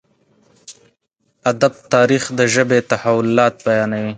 ادب تاريخ د ژبې تحولات بيانوي.